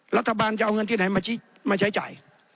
รัฐบาลจะเอาเงินที่ไหนมาใช้จ่าย